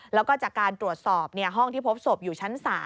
แล้วก็จากการตรวจสอบห้องที่พบศพอยู่ชั้น๓